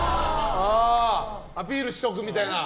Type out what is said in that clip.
アピールしておくみたいな。